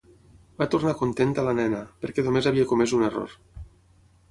Va tornar contenta la nena, perquè només havia comès un error.